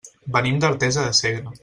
Venim d'Artesa de Segre.